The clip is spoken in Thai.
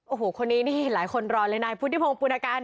โอ้โหคนนี้นี่หลายคนรอเลยนายพุทธิพงศ์ปุณการ